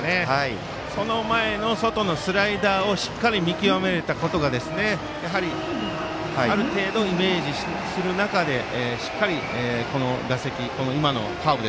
この前の外のスライダーをしっかり見極めたことがある程度、イメージする中でしっかりこの打席今のカーブ